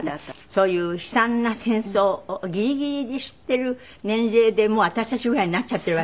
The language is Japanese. そういう悲惨な戦争をギリギリに知っている年齢でもう私たちぐらいになっちゃっているわけでしょ？